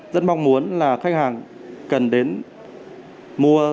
rất mong muốn là khách hàng cần đến mua